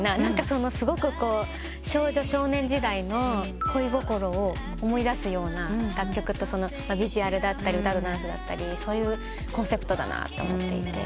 すごく少女少年時代の恋心を思い出すような楽曲とビジュアルだったり歌とダンスだったりそういうコンセプトだなと思っていて。